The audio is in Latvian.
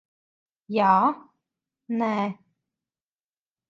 Jā. Nē.